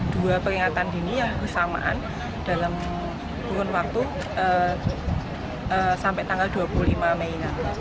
dua peringatan dini yang bersamaan dalam kurun waktu sampai tanggal dua puluh lima mei